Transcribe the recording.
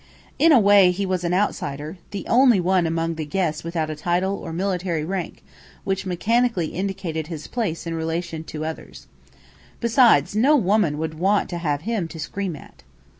In a way, he was an outsider, the only one among the guests without a title or military rank which mechanically indicated his place in relation to others. Besides, no woman would want to have him to scream at.